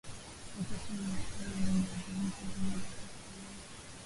Wakati wa ukame viazi lishe huweza kustawi